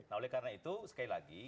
nah oleh karena itu sekali lagi